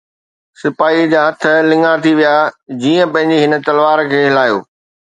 سپاهيءَ جا هٿ لڱا ٿي ويا جيئن هن پنهنجي تلوار کي هلايو.